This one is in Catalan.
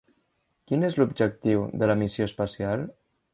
Quin és l'objectiu de la missió espacial?